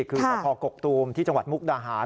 คือสพกกตูมที่จังหวัดมุกดาหาร